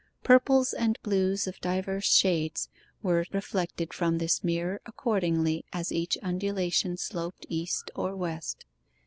Purples and blues of divers shades were reflected from this mirror accordingly as each undulation sloped east or west.